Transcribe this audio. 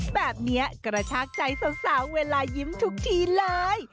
แบบนี้กระชากใจสาวเวลายิ้มทุกทีเลย